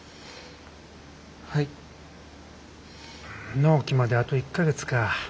納期まであと１か月か。